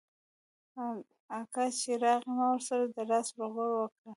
اکا چې راغى ما ورسره د لاس روغبړ وکړ.